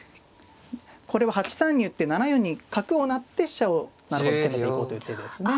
これは８三に打って７四に角を成って飛車を攻めていこうという手ですね。